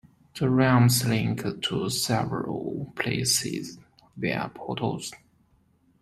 The realms link to several places via portals.